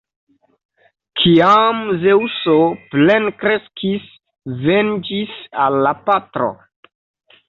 Kiam Zeŭso plenkreskis, venĝis al la patro.